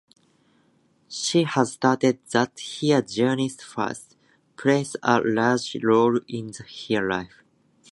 She has stated that her Jewish faith plays a large role in her life.